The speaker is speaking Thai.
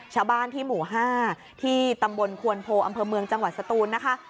ชาวบ้านที่หมู่๕ที่ตำบลควนโพอำเภอเมืองจังหวัดสตูนนะคะ